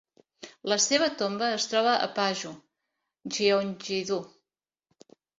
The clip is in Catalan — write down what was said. La seva tomba es troba a Paju, Gyeonggi-do.